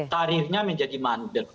tarirnya menjadi mandir